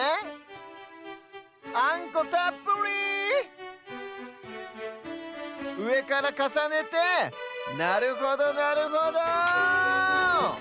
あんこたっぷり！うえからかさねてなるほどなるほど。